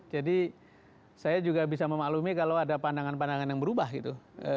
jadi saya juga bisa memaklumi kalau ada pandangan pandangan yang berubah gitu